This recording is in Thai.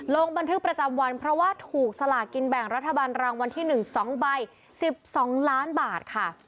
ลงบันทึกประจำวันเพราะว่าถูกสลากินแบ่งรัฐบาลรางวัลที่๑๒ใบ๑๒ล้านบาทค่ะ